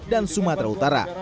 dan sumatera utara